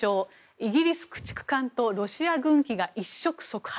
イギリス駆逐艦とロシア軍機が一食触発。